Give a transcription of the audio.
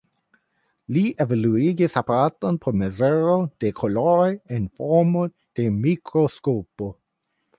Li evoluigis aparaton por mezuro de koloroj en formo de mikroskopo.